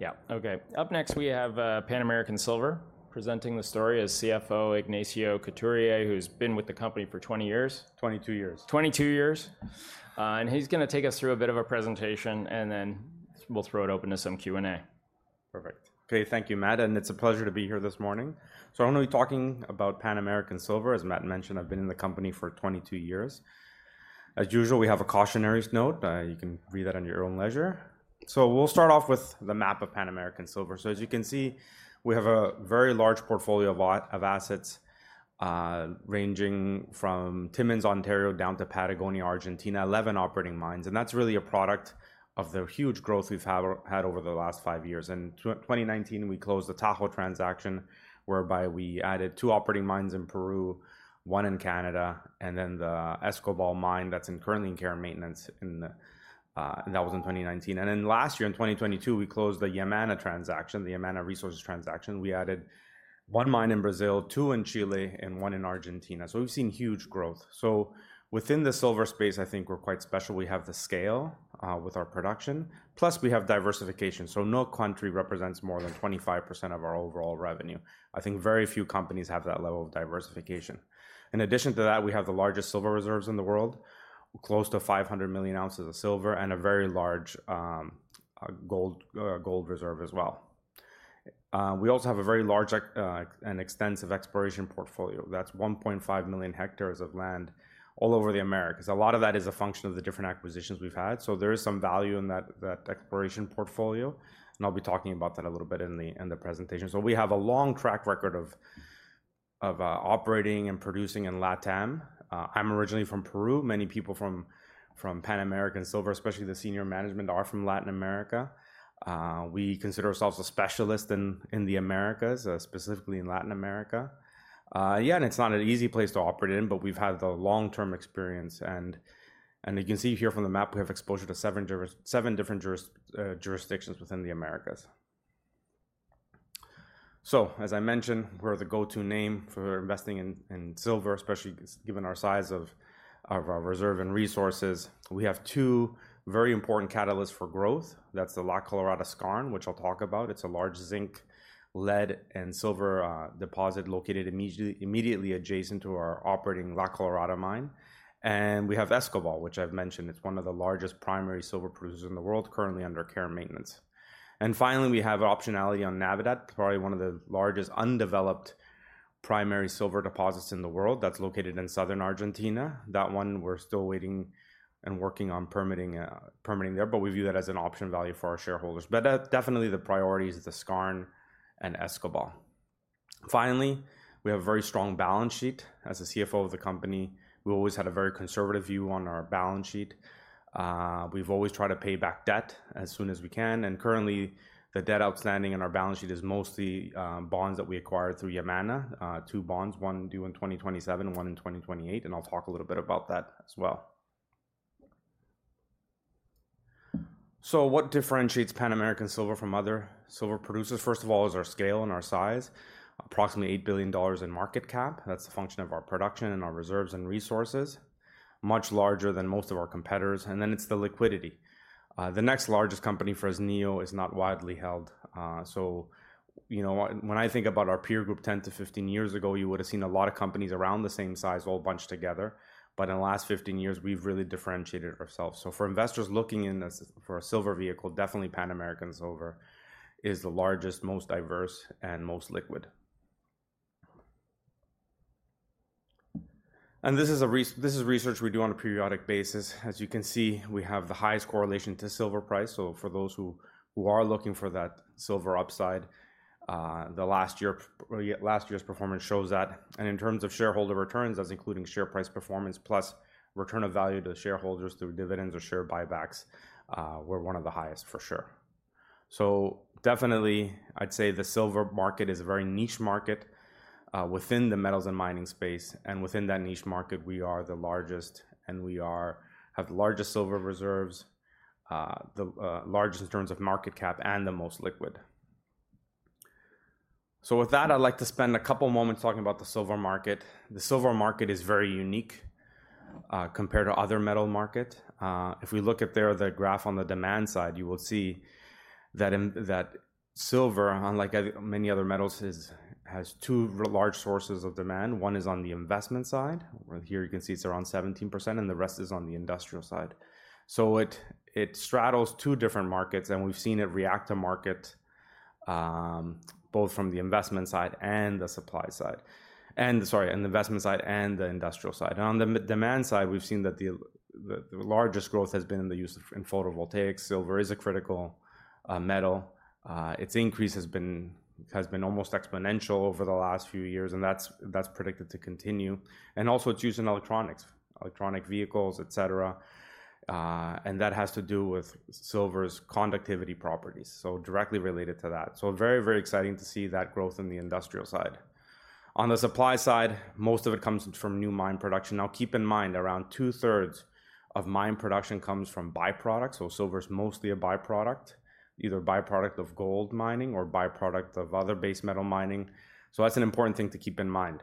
Yeah, okay. Up next, we have Pan American Silver. Presenting the story is CFO Ignacio Couturier, who's been with the company for 20 years. 22 years. 22 years. And he's gonna take us through a bit of a presentation, and then we'll throw it open to some Q&A. Perfect. Okay, thank you, Matt, and it's a pleasure to be here this morning. I'm gonna be talking about Pan American Silver. As Matt mentioned, I've been in the company for 22 years. As usual, we have a cautionary note. You can read that on your own leisure. We'll start off with the map of Pan American Silver. As you can see, we have a very large portfolio of assets, ranging from Timmins, Ontario, down to Patagonia, Argentina, 11 operating mines, and that's really a product of the huge growth we've had over the last five years. In 2019, we closed the Tahoe transaction, whereby we added two operating mines in Peru, one in Canada, and then the Escobal mine that's currently in care and maintenance in the. That was in 2019. And then last year, in 2022, we closed the Yamana transaction, the Yamana Gold transaction. We added one mine in Brazil, two in Chile and one in Argentina, so we've seen huge growth. So within the silver space, I think we're quite special. We have the scale, with our production, plus we have diversification, so no country represents more than 25% of our overall revenue. I think very few companies have that level of diversification. In addition to that, we have the largest silver reserves in the world, close to 500 million ounces of silver, and a very large, gold reserve as well. We also have a very large, an extensive exploration portfolio. That's 1.5 million hectares of land all over the Americas. A lot of that is a function of the different acquisitions we've had, so there is some value in that exploration portfolio, and I'll be talking about that a little bit in the presentation, so we have a long track record of operating and producing in LatAm. I'm originally from Peru. Many people from Pan American Silver, especially the senior management, are from Latin America. We consider ourselves a specialist in the Americas, specifically in Latin America. Yeah, and it's not an easy place to operate in, but we've had the long-term experience, and you can see here from the map, we have exposure to seven different jurisdictions within the Americas. As I mentioned, we're the go-to name for investing in silver, especially given our size of our reserve and resources. We have two very important catalysts for growth. That's the La Colorada Skarn, which I'll talk about. It's a large zinc, lead, and silver deposit located immediately adjacent to our operating La Colorada mine. And we have Escobal, which I've mentioned. It's one of the largest primary silver producers in the world, currently under care and maintenance. And finally, we have optionality on Navidad, probably one of the largest undeveloped primary silver deposits in the world that's located in southern Argentina. That one, we're still waiting and working on permitting there, but we view that as an option value for our shareholders. But, definitely the priority is the Skarn and Escobal. Finally, we have a very strong balance sheet. As the CFO of the company, we always had a very conservative view on our balance sheet. We've always tried to pay back debt as soon as we can, and currently, the debt outstanding on our balance sheet is mostly bonds that we acquired through Yamana. Two bonds, one due in 2027 and one in 2028, and I'll talk a little bit about that as well. So what differentiates Pan American Silver from other silver producers? First of all is our scale and our size, approximately $8 billion in market cap. That's a function of our production and our reserves and resources, much larger than most of our competitors, and then it's the liquidity. The next largest company, Fresnillo, is not widely held. So you know, when I think about our peer group 10-15 years ago, you would have seen a lot of companies around the same size all bunched together, but in the last 15 years, we've really differentiated ourselves. So for investors looking in this for a silver vehicle, definitely Pan American Silver is the largest, most diverse, and most liquid. And this is research we do on a periodic basis. As you can see, we have the highest correlation to silver price, so for those who are looking for that silver upside, last year's performance shows that. And in terms of shareholder returns, that's including share price performance, plus return of value to the shareholders through dividends or share buybacks, we're one of the highest for sure. So definitely, I'd say the silver market is a very niche market within the metals and mining space, and within that niche market, we are the largest, and we have the largest silver reserves, the largest in terms of market cap and the most liquid. So with that, I'd like to spend a couple moments talking about the silver market. The silver market is very unique compared to other metal market. If we look there, the graph on the demand side, you will see that silver, unlike many other metals, has two large sources of demand. One is on the investment side, where here you can see it's around 17%, and the rest is on the industrial side. It straddles two different markets, and we've seen it react to market both from the investment side and the supply side. Sorry, investment side and industrial side. On the demand side, we've seen that the largest growth has been in the use of photovoltaics. Silver is a critical metal. Its increase has been almost exponential over the last few years, and that's predicted to continue. Also, it's used in electronics, electric vehicles, et cetera, and that has to do with silver's conductivity properties, so directly related to that. Very, very exciting to see that growth in the industrial side. On the supply side, most of it comes from new mine production. Now, keep in mind, around two-thirds of mine production comes from by-products, so silver is mostly a by-product, either by-product of gold mining or by-product of other base metal mining. So that's an important thing to keep in mind.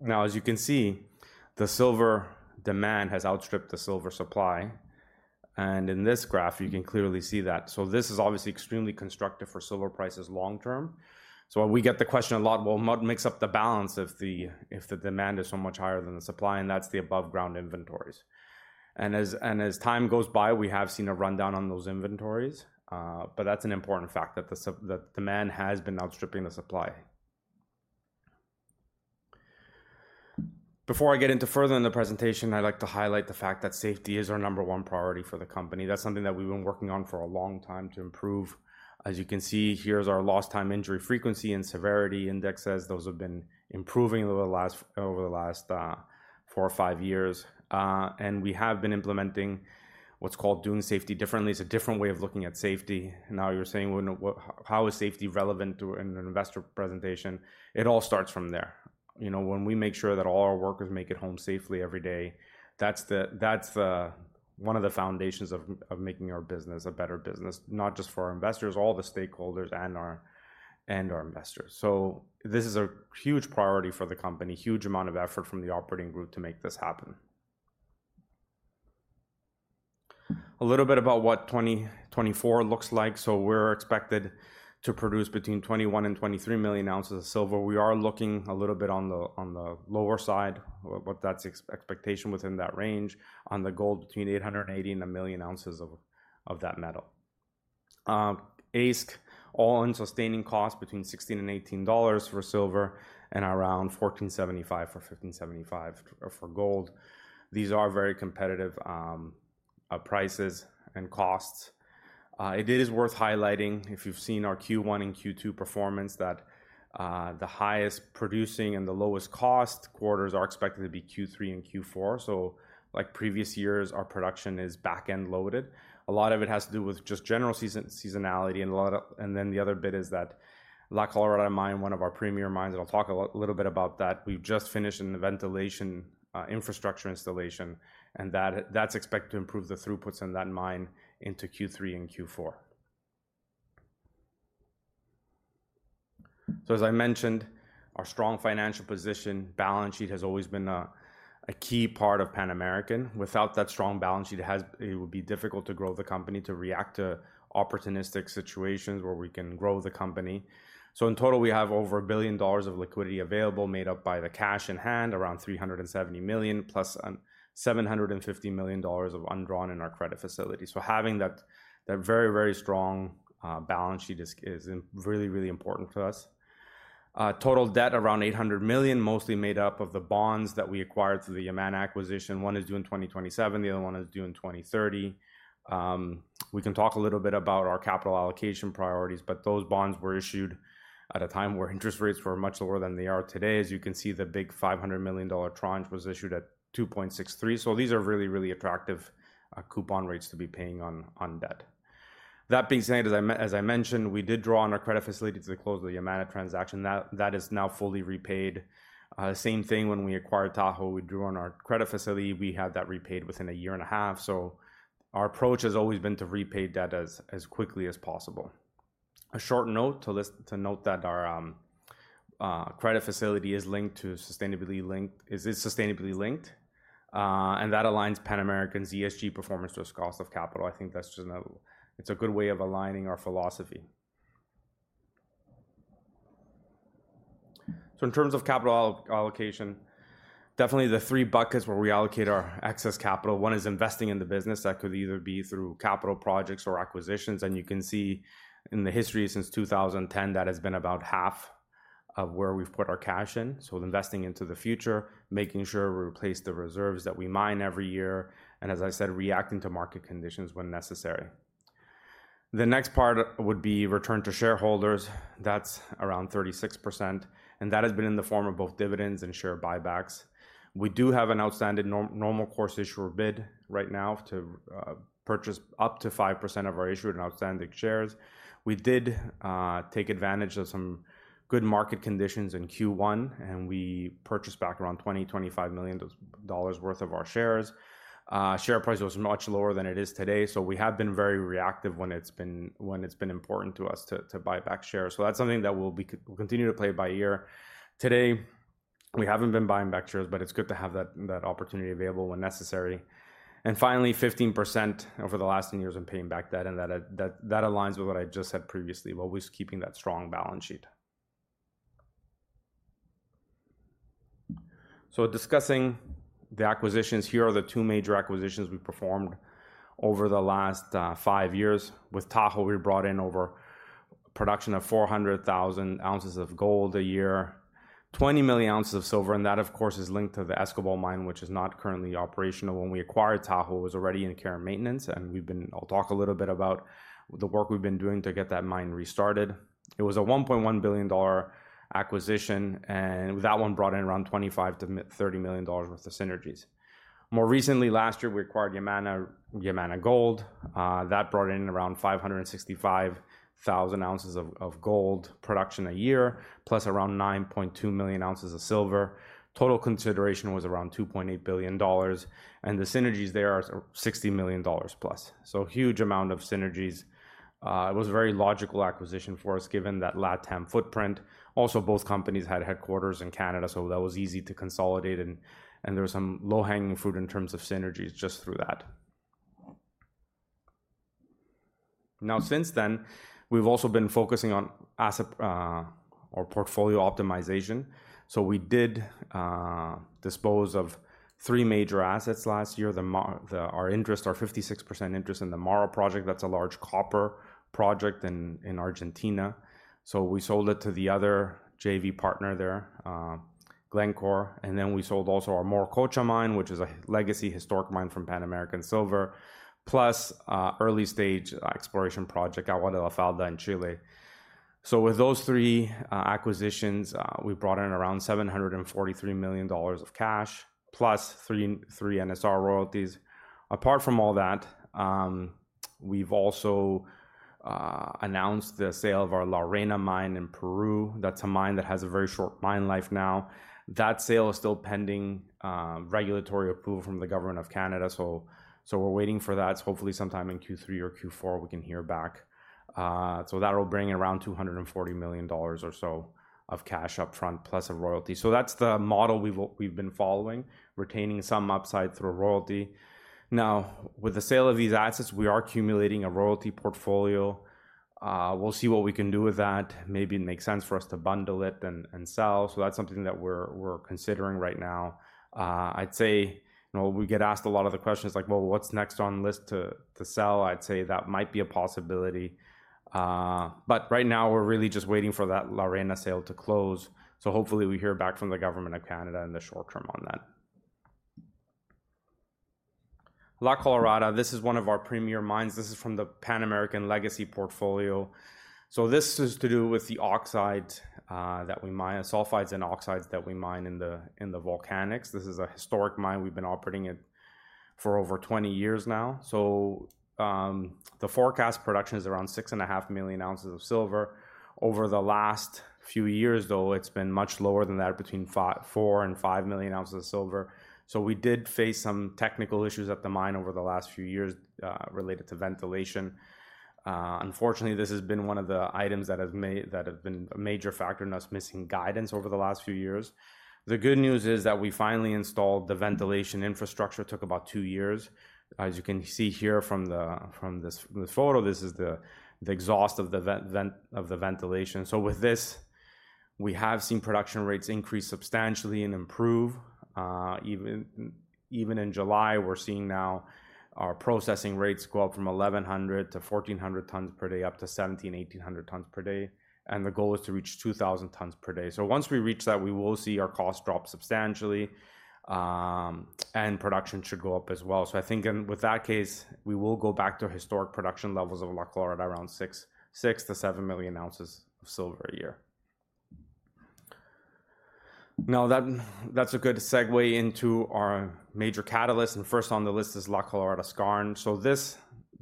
Now, as you can see, the silver demand has outstripped the silver supply, and in this graph, you can clearly see that. So this is obviously extremely constructive for silver prices long term. So we get the question a lot: "Well, what makes up the balance if the demand is so much higher than the supply?" And that's the above-ground inventories. And as time goes by, we have seen a rundown on those inventories, but that's an important fact that the demand has been outstripping the supply. Before I get into further in the presentation, I'd like to highlight the fact that safety is our number one priority for the company. That's something that we've been working on for a long time to improve. As you can see, here's our Lost Time Injury Frequency and Severity indexes. Those have been improving over the last four or five years. And we have been implementing what's called Doing Safety Differently. It's a different way of looking at safety. Now, you're saying, "Well, now, how is safety relevant to an investor presentation?" It all starts from there. You know, when we make sure that all our workers make it home safely every day, that's one of the foundations of making our business a better business, not just for our investors, all the stakeholders, and our investors. So this is a huge priority for the company, huge amount of effort from the operating group to make this happen. A little bit about what 2024 looks like. We're expected to produce between 21 and 23 million ounces of silver. We are looking a little bit on the lower side, but that's expectation within that range. On the gold, between 880 and 1 million ounces of that metal. AISC, all-in sustaining costs between $16-$18 for silver and around $14.75 or $15.75 for gold. These are very competitive prices and costs. It is worth highlighting, if you've seen our Q1 and Q2 performance, that the highest producing and the lowest cost quarters are expected to be Q3 and Q4. So like previous years, our production is back-end loaded. A lot of it has to do with just general seasonality. And then the other bit is that La Colorada mine, one of our premier mines, and I'll talk a little bit about that. We've just finished a ventilation infrastructure installation, and that's expected to improve the throughputs in that mine into Q3 and Q4. So as I mentioned, our strong financial position, balance sheet has always been a key part of Pan American. Without that strong balance sheet, it would be difficult to grow the company to react to opportunistic situations where we can grow the company. So in total, we have over $1 billion of liquidity available, made up by the cash in hand, around $370 million, plus $750 million of undrawn in our credit facility. So having that very, very strong balance sheet is really, really important to us. Total debt, around $800 million, mostly made up of the bonds that we acquired through the Yamana acquisition. One is due in 2027, the other one is due in 2030. We can talk a little bit about our capital allocation priorities, but those bonds were issued at a time where interest rates were much lower than they are today. As you can see, the big $500 million tranche was issued at 2.63%. So these are really, really attractive coupon rates to be paying on debt. That being said, as I mentioned, we did draw on our credit facility to close the Yamana transaction. That is now fully repaid. Same thing when we acquired Tahoe, we drew on our credit facility. We had that repaid within a year and a half. Our approach has always been to repay debt as quickly as possible. A short note to note that our credit facility is sustainability-linked, and that aligns Pan American's ESG performance to its cost of capital. I think that's just a good way of aligning our philosophy. In terms of capital allocation, definitely the three buckets where we allocate our excess capital, one is investing in the business. That could either be through capital projects or acquisitions, and you can see in the history since 2010, that has been about half of where we've put our cash in, so investing into the future, making sure we replace the reserves that we mine every year, and as I said, reacting to market conditions when necessary. The next part would be return to shareholders. That's around 36%, and that has been in the form of both dividends and share buybacks. We do have an outstanding normal course issuer bid right now to purchase up to 5% of our issued and outstanding shares. We did take advantage of some good market conditions in Q1, and we purchased back around $20-$25 million worth of our shares. Share price was much lower than it is today, so we have been very reactive when it's been important to us to buy back shares. So that's something that we'll continue to play it by ear. Today, we haven't been buying back shares, but it's good to have that opportunity available when necessary. And finally, 15% over the last 10 years in paying back debt, and that aligns with what I just said previously, always keeping that strong balance sheet. So discussing the acquisitions, here are the two major acquisitions we performed over the last 5 years. With Tahoe, we brought in over production of 400,000 ounces of gold a year, 20 million ounces of silver, and that, of course, is linked to the Escobal mine, which is not currently operational. When we acquired Tahoe, it was already in care and maintenance, and we've been. I'll talk a little bit about the work we've been doing to get that mine restarted. It was a $1.1 billion acquisition, and that one brought in around $25-30 million worth of synergies. More recently, last year, we acquired Yamana, Yamana Gold. That brought in around 565,000 ounces of gold production a year, plus around 9.2 million ounces of silver. Total consideration was around $2.8 billion, and the synergies there are 60 million dollars plus. So huge amount of synergies. It was a very logical acquisition for us, given that LatAm footprint. Also, both companies had headquarters in Canada, so that was easy to consolidate, and there was some low-hanging fruit in terms of synergies just through that. Now, since then, we've also been focusing on asset or portfolio optimization. So we did dispose of three major assets last year. Our fifty-six percent interest in the MARA project, that's a large copper project in Argentina. So we sold it to the other JV partner there, Glencore. And then we sold also our Morococha mine, which is a legacy historic mine from Pan American Silver, plus early-stage exploration project, Aguada de la Falda in Chile. So with those three acquisitions, we brought in around $743 million of cash, plus three NSR royalties. Apart from all that, we've also announced the sale of our La Arena mine in Peru. That's a mine that has a very short mine life now. That sale is still pending regulatory approval from the government of Canada, so we're waiting for that. Hopefully, sometime in Q3 or Q4, we can hear back. So that'll bring around $240 million or so of cash upfront, plus a royalty. So that's the model we've been following, retaining some upside through a royalty. Now, with the sale of these assets, we are accumulating a royalty portfolio. We'll see what we can do with that. Maybe it makes sense for us to bundle it and sell. So that's something that we're considering right now. I'd say, you know, we get asked a lot of the questions like, "Well, what's next on the list to sell?" I'd say that might be a possibility. But right now, we're really just waiting for that La Arena sale to close, so hopefully we hear back from the government of Canada in the short term on that. La Colorada, this is one of our premier mines. This is from the Pan American legacy portfolio. So this is to do with the oxides that we mine, sulfides and oxides that we mine in the volcanics. This is a historic mine. We've been operating it for over 20 years now. So, the forecast production is around 6.5 million ounces of silver. Over the last few years, though, it's been much lower than that, between 4 and 5 million ounces of silver. So we did face some technical issues at the mine over the last few years, related to ventilation. Unfortunately, this has been one of the items that have been a major factor in us missing guidance over the last few years. The good news is that we finally installed the ventilation infrastructure, took about two years. As you can see here from this photo, this is the exhaust of the ventilation. So with this, we have seen production rates increase substantially and improve. Even in July, we're seeing now our processing rates go up from 1,100 to 1,400 tons per day, up to 1,700-1,800 tons per day, and the goal is to reach 2,000 tons per day. So once we reach that, we will see our costs drop substantially, and production should go up as well. I think in that case, we will go back to historic production levels of La Colorada, around six to seven million ounces of silver a year. Now, that's a good segue into our major catalyst, and first on the list is La Colorada Skarn.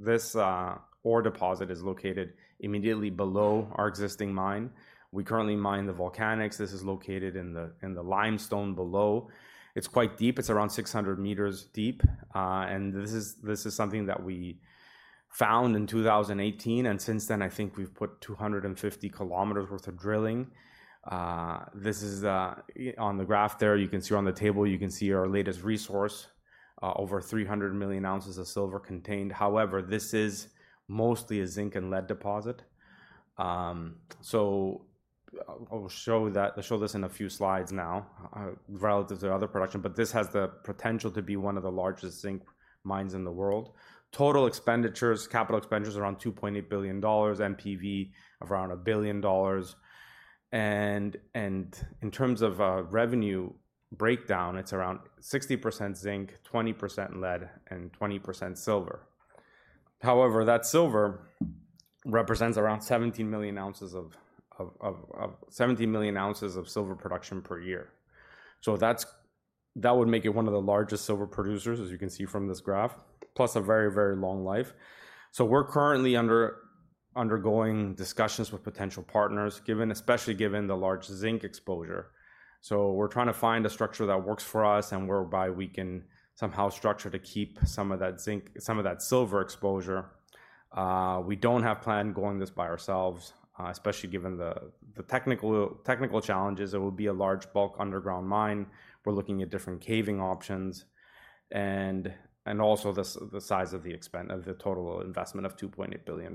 This ore deposit is located immediately below our existing mine. We currently mine the volcanics. This is located in the limestone below. It's quite deep. It's around 600 meters deep, and this is something that we found in 2018, and since then, I think we've put 250 km worth of drilling. On the graph there, you can see on the table, you can see our latest resource, over 300 million ounces of silver contained. However, this is mostly a zinc and lead deposit. So I'll show that, I'll show this in a few slides now, relative to other production, but this has the potential to be one of the largest zinc mines in the world. Total expenditures, capital expenditures, around $2.8 billion, NPV of around $1 billion. And in terms of revenue breakdown, it's around 60% zinc, 20% lead, and 20% silver. However, that silver represents around 17 million ounces of silver production per year. That would make it one of the largest silver producers, as you can see from this graph, plus a very, very long life. We're currently undergoing discussions with potential partners, given, especially given the large zinc exposure. So we're trying to find a structure that works for us and whereby we can somehow structure to keep some of that zinc, some of that silver exposure. We don't have a plan going this by ourselves, especially given the technical challenges. It would be a large bulk underground mine. We're looking at different caving options and also the size of the expenditure of the total investment of $2.8 billion.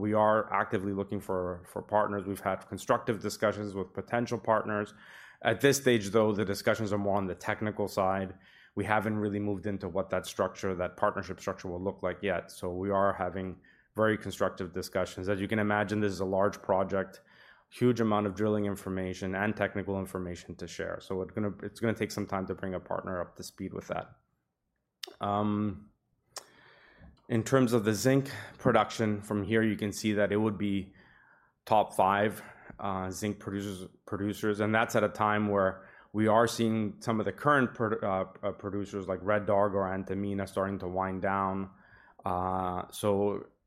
We are actively looking for partners. We've had constructive discussions with potential partners. At this stage, though, the discussions are more on the technical side. We haven't really moved into what that structure, that partnership structure will look like yet, so we are having very constructive discussions. As you can imagine, this is a large project, huge amount of drilling information and technical information to share. It's gonna take some time to bring a partner up to speed with that. In terms of the zinc production, from here, you can see that it would be top five zinc producers, and that's at a time where we are seeing some of the current producers like Red Dog or Antamina starting to wind down.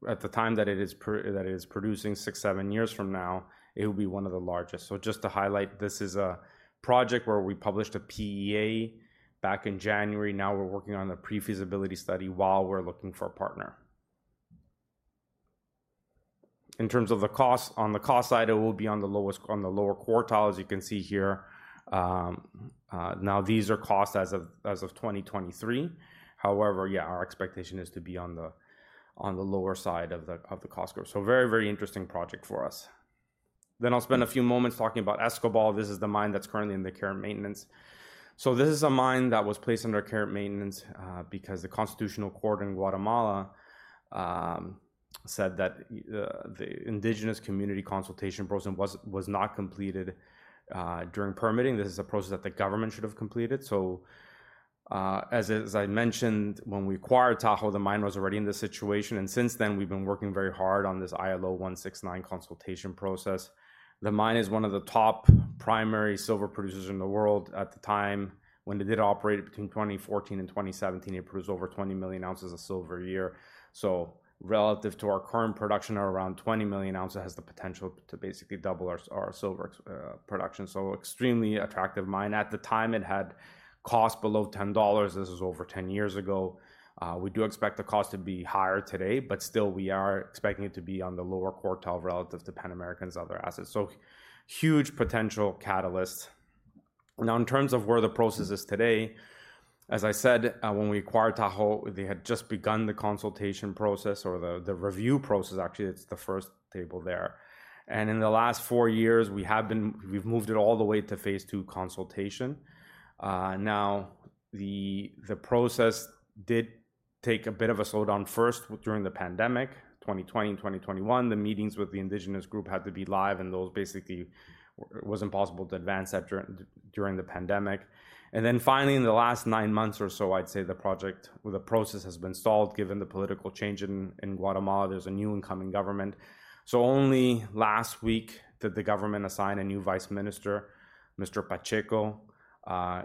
At the time that it is producing, six, seven years from now, it will be one of the largest. Just to highlight, this is a project where we published a PEA back in January. Now, we're working on a pre-feasibility study while we're looking for a partner. In terms of the cost, on the cost side, it will be on the lower quartile, as you can see here. Now these are costs as of 2023. However, yeah, our expectation is to be on the lower side of the cost curve, so very, very interesting project for us. Then I'll spend a few moments talking about Escobal. This is the mine that's currently in the care and maintenance, so this is a mine that was placed under care and maintenance because the Constitutional Court in Guatemala said that the indigenous community consultation process was not completed during permitting. This is a process that the government should have completed, so, as I mentioned, when we acquired Tahoe, the mine was already in this situation, and since then we've been working very hard on this ILO 169 consultation process. The mine is one of the top primary silver producers in the world. At the time when it did operate between 2014 and 2017, it produced over 20 million ounces of silver a year. So relative to our current production of around 20 million ounces, it has the potential to basically double our silver production, so extremely attractive mine. At the time, it had cost below $10. This was over 10 years ago. We do expect the cost to be higher today, but still we are expecting it to be on the lower quartile relative to Pan American's other assets, so huge potential catalyst. Now, in terms of where the process is today, as I said, when we acquired Tahoe, they had just begun the consultation process or the review process. Actually, it's the first table there. In the last four years, we've moved it all the way to phase II consultation. Now, the process did take a bit of a slowdown first with during the pandemic, 2020 and 2021. The meetings with the indigenous group had to be live, and those basically, it was impossible to advance that during the pandemic. Then finally, in the last nine months or so, I'd say the project or the process has been stalled given the political change in Guatemala. There's a new incoming government. Only last week did the government assign a new vice minister, Mr. Pacheco.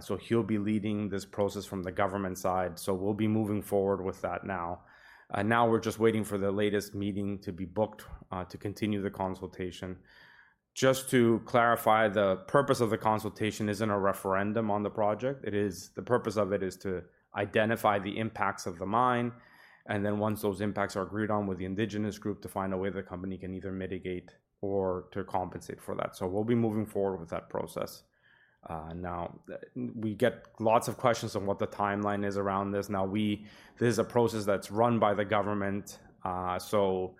So he'll be leading this process from the government side, so we'll be moving forward with that now. Now we're just waiting for the latest meeting to be booked to continue the consultation. Just to clarify, the purpose of the consultation isn't a referendum on the project. It is. The purpose of it is to identify the impacts of the mine, and then once those impacts are agreed on with the indigenous group, to find a way the company can either mitigate or to compensate for that. So we'll be moving forward with that process. Now, we get lots of questions on what the timeline is around this. Now, this is a process that's run by the government. So,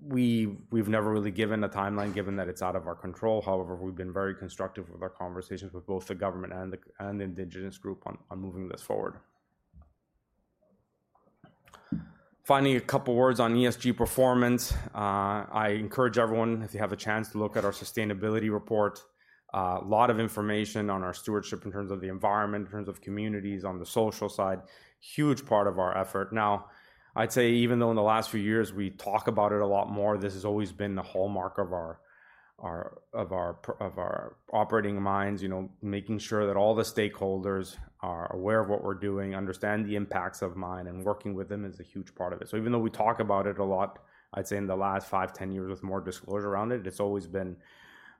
we've never really given a timeline, given that it's out of our control. However, we've been very constructive with our conversations with both the government and the indigenous group on moving this forward. Finally, a couple words on ESG performance. I encourage everyone, if you have a chance, to look at our sustainability report. A lot of information on our stewardship in terms of the environment, in terms of communities, on the social side, huge part of our effort. Now, I'd say even though in the last few years we talk about it a lot more, this has always been the hallmark of our operating mines. You know, making sure that all the stakeholders are aware of what we're doing, understand the impacts of mine, and working with them is a huge part of it. So even though we talk about it a lot, I'd say in the last five, ten years, with more disclosure around it, it's always been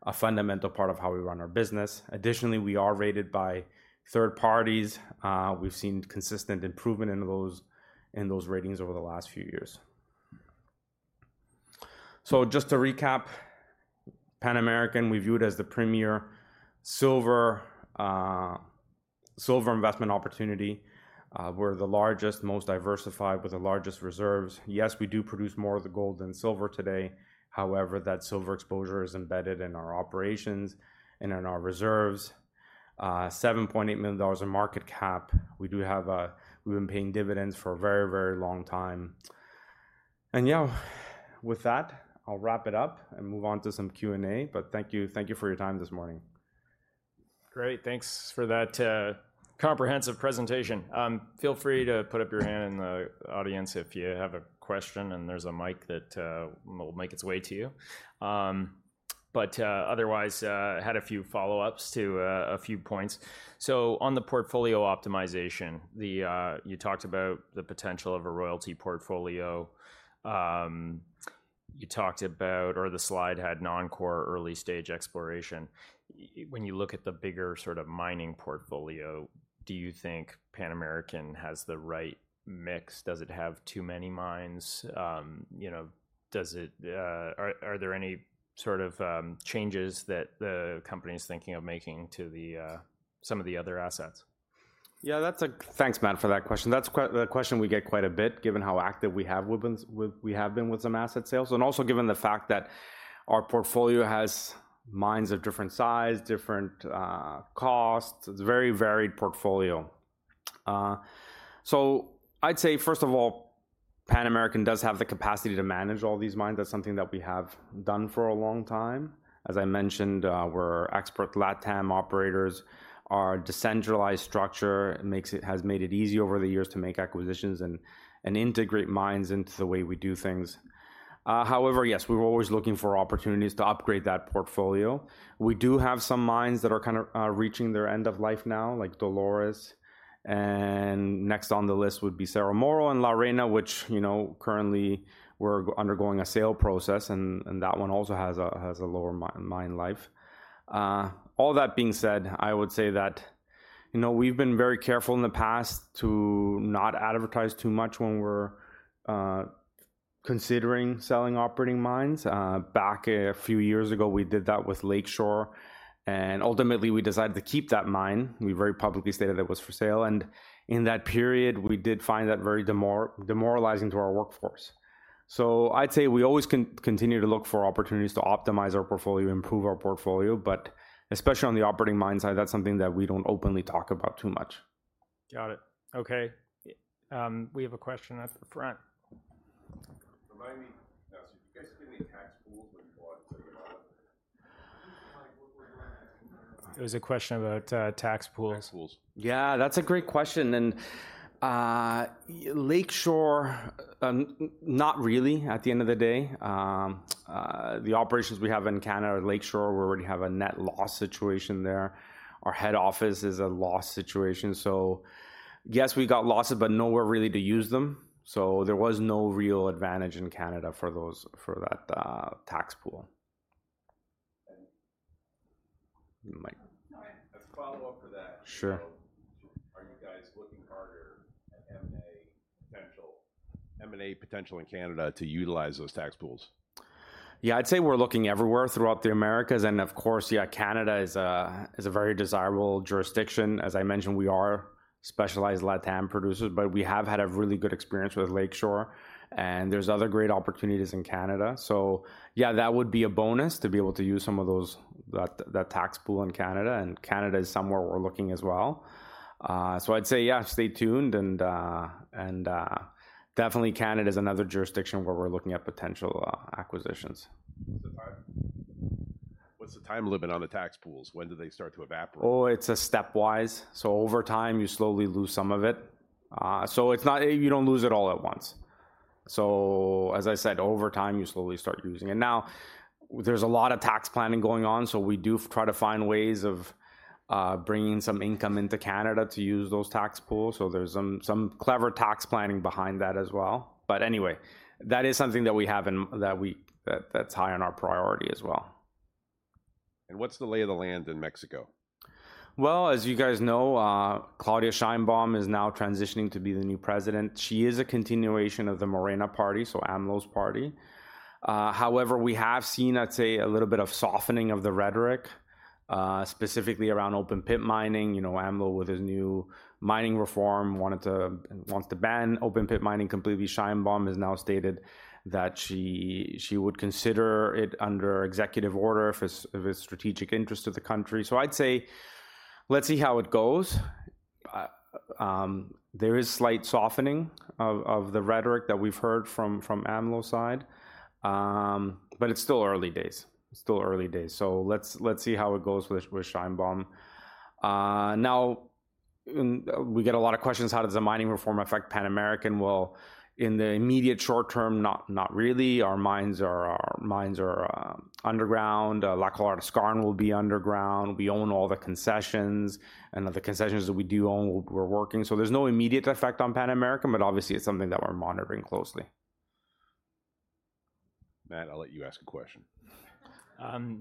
a fundamental part of how we run our business. Additionally, we are rated by third parties. We've seen consistent improvement in those ratings over the last few years. So just to recap, Pan American, we view it as the premier silver, silver investment opportunity. We're the largest, most diversified with the largest reserves. Yes, we do produce more of the gold than silver today. However, that silver exposure is embedded in our operations and in our reserves. $7.8 million in market cap. We've been paying dividends for a very, very long time. And yeah, with that, I'll wrap it up and move on to some Q&A. But thank you. Thank you for your time this morning. Great, thanks for that comprehensive presentation. Feel free to put up your hand in the audience if you have a question, and there's a mic that will make its way to you. Otherwise, had a few follow-ups to a few points. On the portfolio optimization, you talked about the potential of a royalty portfolio. You talked about, or the slide had non-core early-stage exploration. When you look at the bigger sort of mining portfolio, do you think Pan American has the right mix? Does it have too many mines? You know, does it... Are there any sort of changes that the company is thinking of making to some of the other assets? Yeah, that's-- thanks, Matt, for that question. That's quite the question we get quite a bit, given how active we have been with some asset sales, and also given the fact that our portfolio has mines of different size, different costs, it's a very varied portfolio. So I'd say, first of all, Pan American does have the capacity to manage all these mines. That's something that we have done for a long time. As I mentioned, we're expert Latam operators. Our decentralized structure has made it easy over the years to make acquisitions and integrate mines into the way we do things. However, yes, we're always looking for opportunities to upgrade that portfolio. We do have some mines that are kinda reaching their end of life now, like Dolores, and next on the list would be Cerro Moro and La Arena, which, you know, currently we're undergoing a sale process, and that one also has a lower mine life. All that being said, I would say that, you know, we've been very careful in the past to not advertise too much when we're considering selling operating mines. Back a few years ago, we did that with Lake Shore, and ultimately, we decided to keep that mine. We very publicly stated it was for sale, and in that period, we did find that very demoralizing to our workforce. So I'd say we always continue to look for opportunities to optimize our portfolio, improve our portfolio, but especially on the operating mine side, that's something that we don't openly talk about too much. Got it. Okay. We have a question at the front. Remind me, now, so did you guys get any tax pools when you bought Lake Shore? It was a question about tax pools. Tax pools. Yeah, that's a great question, and, Lake Shore, not really, at the end of the day. The operations we have in Canada, Lake Shore, we already have a net loss situation there. Our head office is a loss situation, so yes, we got losses but nowhere really to use them, so there was no real advantage in Canada for those, for that, tax pool. Mike? All right, a follow-up for that. Sure. Are you guys looking harder at M&A potential in Canada to utilize those tax pools? Yeah, I'd say we're looking everywhere throughout the Americas, and of course, yeah, Canada is a very desirable jurisdiction. As I mentioned, we are specialized LatAm producers, but we have had a really good experience with Lake Shore, and there's other great opportunities in Canada, so yeah, that would be a bonus to be able to use some of those that tax pool in Canada, and Canada is somewhere we're looking as well. I'd say, yeah, stay tuned, and definitely Canada is another jurisdiction where we're looking at potential acquisitions. What's the time, what's the time limit on the tax pools? When do they start to evaporate? Oh, it's a stepwise, so over time, you slowly lose some of it. So it's not, you don't lose it all at once. So as I said, over time, you slowly start losing it. Now, there's a lot of tax planning going on, so we do try to find ways of bringing some income into Canada to use those tax pools. So there's some clever tax planning behind that as well. But anyway, that is something that we have. That's high on our priority as well. What's the lay of the land in Mexico? As you guys know, Claudia Sheinbaum is now transitioning to be the new president. She is a continuation of the Morena Party, so AMLO's party. However, we have seen, I'd say, a little bit of softening of the rhetoric, specifically around open-pit mining. You know, AMLO, with his new mining reform, wanted to, wants to ban open-pit mining completely. Sheinbaum has now stated that she would consider it under executive order if it's of a strategic interest to the country. So I'd say, let's see how it goes. There is slight softening of the rhetoric that we've heard from AMLO's side. But it's still early days. Still early days. So let's see how it goes with Sheinbaum. Now, we get a lot of questions, how does the mining reform affect Pan American? In the immediate short term, not really. Our mines are underground. La Colorada Skarn will be underground. We own all the concessions, and the concessions that we do own, we're working, so there's no immediate effect on Pan American, but obviously, it's something that we're monitoring closely. Matt, I'll let you ask a question.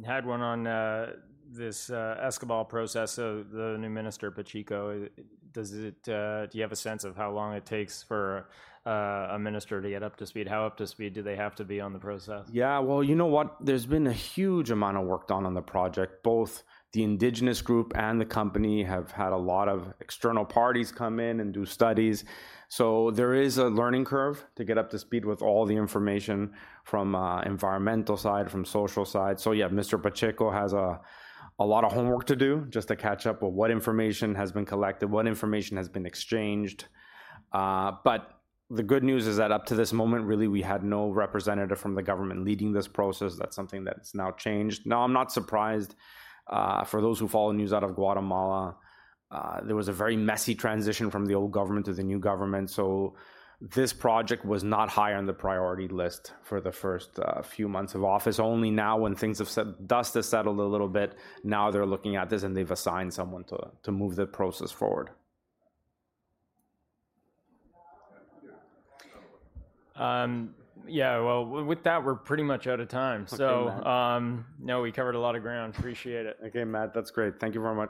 Had one on this Escobal process, so the new minister, Pacheco. Do you have a sense of how long it takes for a minister to get up to speed? How up to speed do they have to be on the process? Yeah, well, you know what? There's been a huge amount of work done on the project. Both the indigenous group and the company have had a lot of external parties come in and do studies, so there is a learning curve to get up to speed with all the information from a environmental side, from social side. So yeah, Mr. Pacheco has a lot of homework to do just to catch up with what information has been collected, what information has been exchanged. But the good news is that up to this moment, really, we had no representative from the government leading this process. That's something that's now changed. Now, I'm not surprised. For those who follow news out of Guatemala, there was a very messy transition from the old government to the new government, so this project was not high on the priority list for the first few months of office. Only now when the dust has settled a little bit, now they're looking at this, and they've assigned someone to move the process forward. Yeah, well, with that, we're pretty much out of time. Okay, Matt. No, we covered a lot of ground. Appreciate it. Okay, Matt, that's great. Thank you very much.